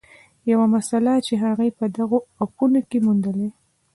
یوه مسله چې هغې په دغو اپونو کې موندلې